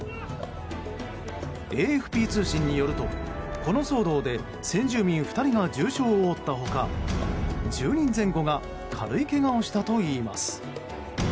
ＡＦＰ通信によると、この騒動で先住民２人が重傷を負った他１０人前後が軽いけがをしたといいます。